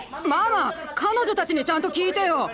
ママ彼女たちにちゃんと聞いてよ！